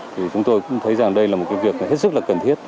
thì chúng tôi cũng thấy rằng đây là một cái việc hết sức là cần thiết